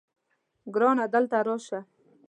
ګرانه دلته راشه